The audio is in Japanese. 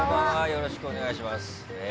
よろしくお願いします。